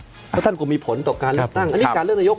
เพราะท่านก็มีผลต่อการเลือกตั้งอันนี้การเลือกนายก